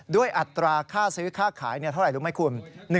อัตราค่าซื้อค่าขายเท่าไหร่รู้ไหมคุณ